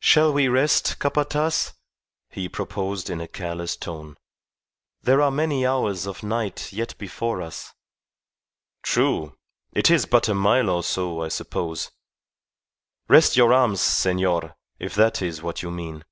"Shall we rest, Capataz?" he proposed in a careless tone. "There are many hours of night yet before us." "True. It is but a mile or so, I suppose. Rest your arms, senor, if that is what you mean.